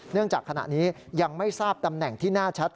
จากขณะนี้ยังไม่ทราบตำแหน่งที่แน่ชัด